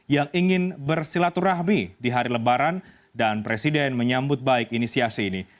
yang ingin bersilaturahmi di hari lebaran dan presiden menyambut baik inisiasi ini